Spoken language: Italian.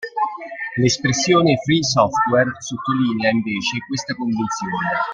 L'espressione "Free Software" sottolinea invece questa convinzione.